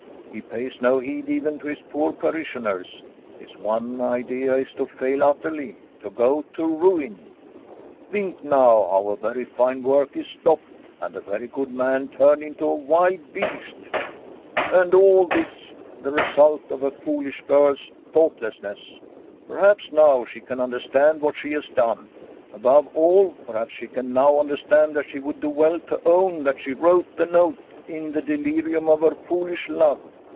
He pays no heed even to his poor parishioners ; his one idea is to fail utterly, to go to ruin. Think now how a very fine work is stopped and a very good man turned into a 230 Liliecrona's Home wild beast ! And all this the result of a foolish girl's thoughtlessness ! Perhaps now she can understand what she has done. Above all, perhaps she can now understand that she would do well to own that she wrote the note in the delirium of her foolish love.